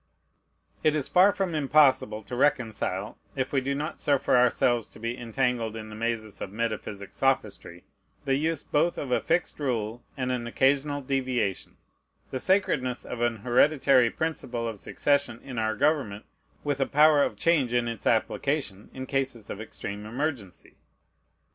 It is far from impossible to reconcile, if we do not suffer ourselves to be entangled in the mazes of metaphysic sophistry, the use both of a fixed rule and an occasional deviation, the sacredness of an hereditary principle of succession in our government with a power of change in its application in cases of extreme emergency.